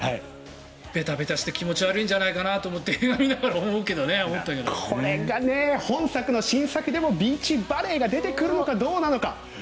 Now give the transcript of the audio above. べたべたして気持ち悪いんじゃないかとこれが本作の新作でもビーチバレーが出てくるのかどうなのか。